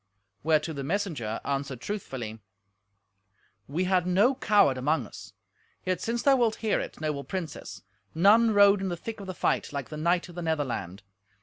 Whereto the messenger answered truthfully, "We had no coward among us. Yet since thou wilt hear it, noble princess, none rode in the thick of the fight like the knight of the Netherland.